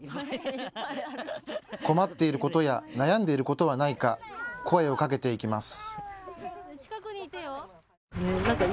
困っていることや悩んでいることはないか声をかけていきます。